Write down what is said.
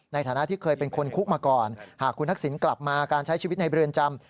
ในฐานะที่เคยเป็นคนคุกมาก่อนหากคุณทักษิณกลับมาการใช้ชีวิตในเรือนจำ